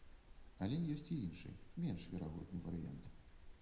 Але ёсць і іншы, менш верагодны варыянт.